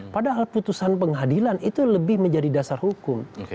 padahal putusan pengadilan itu lebih menjadi dasar hukum